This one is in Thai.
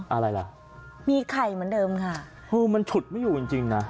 อะไรล่ะมีไข่เหมือนเดิมค่ะคือมันฉุดไม่อยู่จริงจริงน่ะ